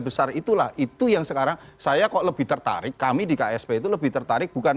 besar itulah itu yang sekarang saya kok lebih tertarik kami di ksp itu lebih tertarik bukan